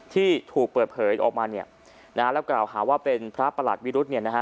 ที่ถูกเปิดเผยออกมาแล้วกล่าวหาว่าเป็นพระประหลัดวิรุธ